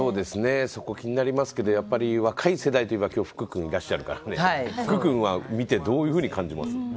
そこ気になりますけどやっぱり若い世代でいうと福君がいらっしゃるから福君は見てどういうふうに感じました？